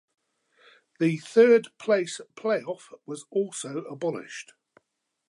The third place playoff was also abolished.